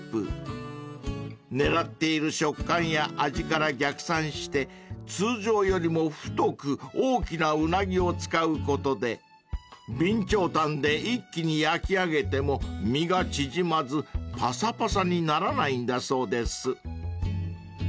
［狙っている食感や味から逆算して通常よりも太く大きなウナギを使うことで備長炭で一気に焼き上げても身が縮まずぱさぱさにならないんだそうです］